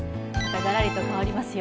ガラリと変わりますよ。